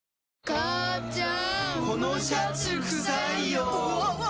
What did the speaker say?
母ちゃん！